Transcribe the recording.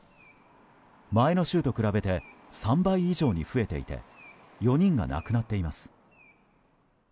前の週と比べて３倍以上に増えていて４人が亡くなっています。